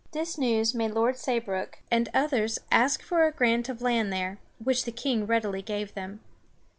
This news made Lords Say, Brooke, and others ask for a grant of land there, which the king readily gave them.